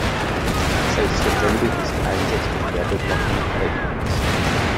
Selbstverständlich ist der Einsatz von Werbeblockern rechtens.